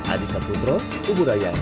adisa putro kuburaya